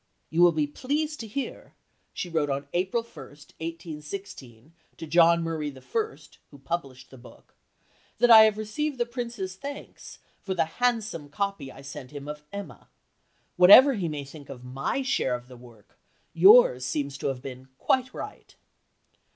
"You will be pleased to hear," she wrote on April 1, 1816, to John Murray the First, who published the book, "that I have received the Prince's thanks for the handsome copy I sent him of 'Emma.' Whatever he may think of my share of the work, yours seems to have been quite right."